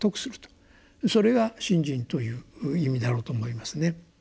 それが信心という意味だろうと思いますね。